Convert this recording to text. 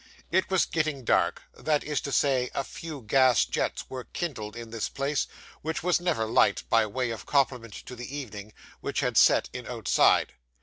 It was getting dark; that is to say, a few gas jets were kindled in this place which was never light, by way of compliment to the evening, which had set in outside.